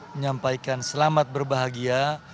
menyampaikan selamat berbahagia